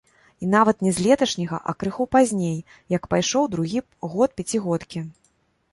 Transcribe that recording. І нават не з леташняга, а крыху пазней, як пайшоў другі год пяцігодкі.